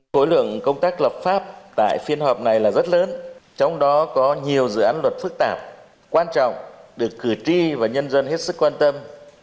thối lượng công tác lập pháp tại phiên họp này là rất lớn trong đó có nhiều dự án luật phức tạp quan trọng được cử tri và nhân dân hết sức quan tâm